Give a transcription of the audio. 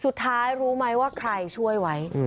สุดท้ายรู้ไหมว่าใครช่วยไว้